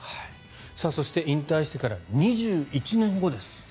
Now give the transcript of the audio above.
そして、引退してから２１年後です。